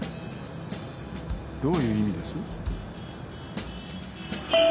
どういう意味です？